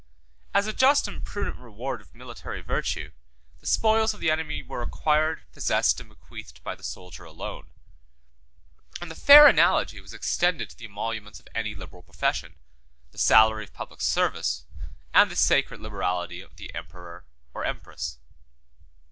As a just and prudent reward of military virtue, the spoils of the enemy were acquired, possessed, and bequeathed by the soldier alone; and the fair analogy was extended to the emoluments of any liberal profession, the salary of public service, and the sacred liberality of the emperor or empress.